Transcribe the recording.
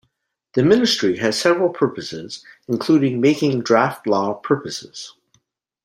The ministry has several purposes, including making draft laws purposes.